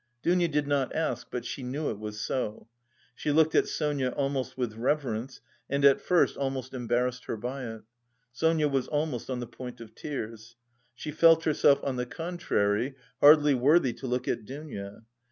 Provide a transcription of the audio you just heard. Dounia did not ask, but she knew it was so. She looked at Sonia almost with reverence and at first almost embarrassed her by it. Sonia was almost on the point of tears. She felt herself, on the contrary, hardly worthy to look at Dounia.